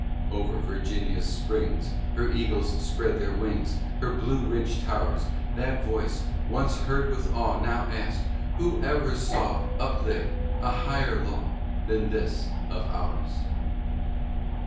Over Virginia's Springs, Her eagles spread their wings, Her Blue Ridge towers That voice once heard with awe Now asks, "Who ever saw, Up there, a higher law Than this of ours?"